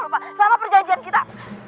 lo lupa sama perjanjian kita